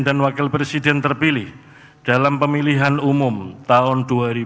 dan wakil presiden terpilih dalam pemilihan umum tahun dua ribu dua puluh empat